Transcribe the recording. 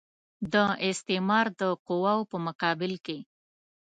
د استعمار د قواوو په مقابل کې.